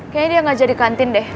kayaknya dia gak jadi kantin deh